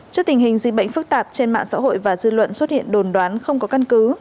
trước tình hình dịch bệnh phức tạp trên mạng xã hội và dư luận xuất hiện đồn đoán không có căn cứ